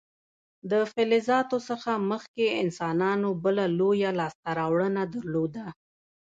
د فلزاتو څخه مخکې انسانانو بله لویه لاسته راوړنه درلوده.